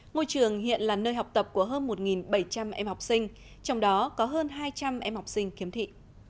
ngôi trường hiện là nơi học tập của hơn một bảy trăm linh em học sinh trong đó có hơn hai trăm linh em học sinh khiếm thị